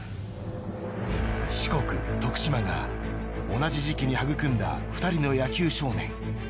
四国徳島が同じ時期に育んだ２人の野球少年。